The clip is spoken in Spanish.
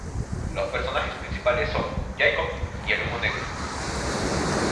Los personajes principales son Jacob y el Humo Negro.